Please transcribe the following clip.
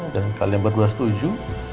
dan kalian berdua setuju